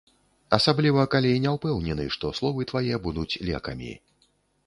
Асабліва, калі не ўпэўнены, што словы твае будуць лекамі.